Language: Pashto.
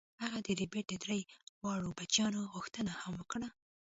هغه د ربیټ د درې واړو بچیانو غوښتنه هم وکړه